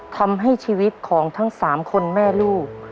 ทำให้ชีวิตของทั้ง๓คนแม่ลูก